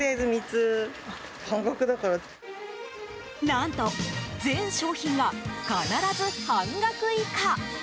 何と、全商品が必ず半額以下。